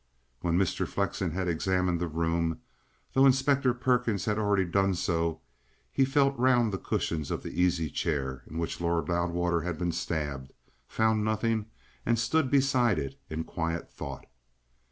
When Mr. Flexen had examined the room, though Inspector Perkins had already done so, he felt round the cushions of the easy chair in which Lord Loudwater had been stabbed, found nothing, and stood beside it in quiet thought.